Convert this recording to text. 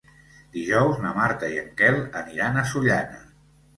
Dijous na Marta i en Quel aniran a Sollana.